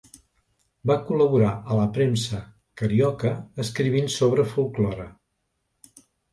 Va col·laborar a la premsa carioca escrivint sobre folklore.